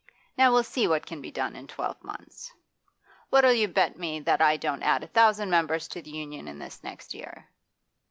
Now we'll see what can be done in twelve months. What'll you bet me that I don't add a thousand members to the Union in this next year?